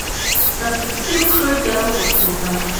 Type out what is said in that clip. Са сыԥсы еикәшоит, иалоуп ацәқәырԥа.